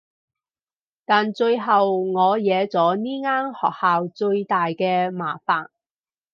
但最後我惹咗呢間學校最大嘅麻煩